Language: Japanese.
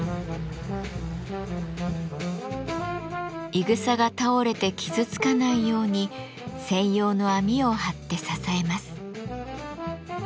いぐさが倒れて傷つかないように専用の網を張って支えます。